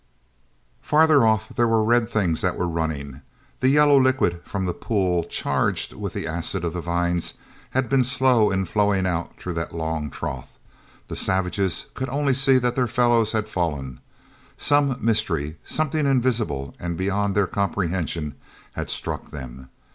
Farther off there were red things that were running. The yellow liquid from the pool, charged with the acid of the vines, had been slow in flowing out through that long trough. The savages could only see that their fellows had fallen. Some mystery, something invisible and beyond their comprehension had struck them.